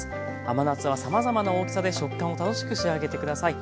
甘夏はさまざまな大きさで食感を楽しく仕上げてください。